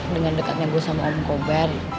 dengan dekatnya gue sama om kobar